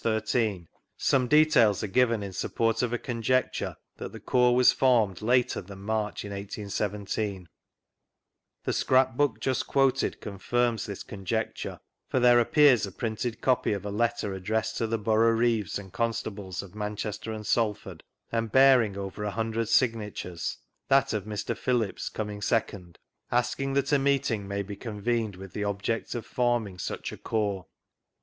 13) some details are given in support of a conjecture that the corps was formed later ^an March in 1817, The scrap book just quoted confirms this c»njectur^ for there appears a printed copy of a letter addressed to the Boroughreeves and Constables of Manchaster and Salford, and bearing over a hundred signatures (that of Mr. Phillips coming second), asking that a meeting may be convened with the object of forming such a corps.